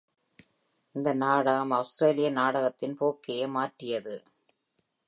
இந்த நாடகம் ஆஸ்திரேலிய நாடகத்தின் போக்கையே மாற்றியது.